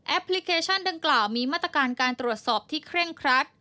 พลิเคชันดังกล่าวมีมาตรการการตรวจสอบที่เคร่งครัด